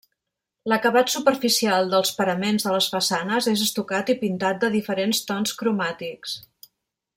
L'acabat superficial dels paraments de les façanes és estucat i pintat de diferents tons cromàtics.